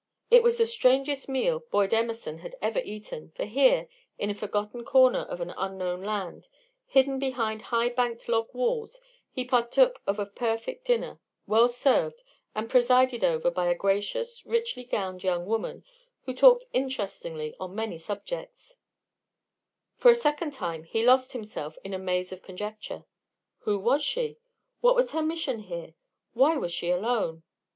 It was the strangest meal Boyd Emerson had ever eaten, for here, in a forgotten corner of an unknown land, hidden behind high banked log walls, he partook of a perfect dinner, well served, and presided over by a gracious, richly gowned young woman who talked interestingly on many subjects, For a second time he lost himself in a maze of conjecture. Who was she? What was her mission here? Why was she alone?